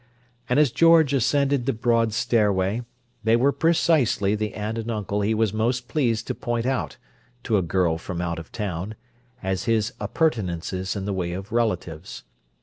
And as George ascended the broad stairway, they were precisely the aunt and uncle he was most pleased to point out, to a girl from out of town, as his appurtenances in the way of relatives.